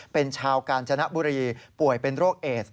เป็นชาวกาญจนบุรีป่วยเป็นโรคเอส